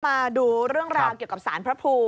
มาดูเรื่องราวเกี่ยวกับสารพระภูมิ